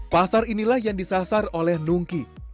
pasar inilah yang disasar oleh nungki